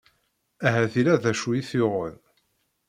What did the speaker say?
Ahat illa d acu i t-yuɣen.